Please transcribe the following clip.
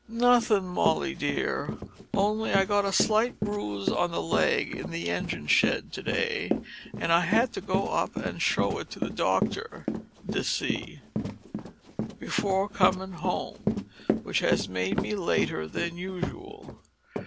"Nothing, Molly, my dear, only I got a slight bruise on the leg in the engine shed to day, and I had to go up an' show it to the doctor, d'ye see, before comin' home, which has made me later than usual."